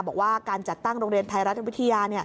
บอกว่าการจัดตั้งโรงเรียนไทยรัฐวิทยา